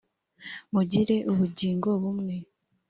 mugire ubugingo bumwe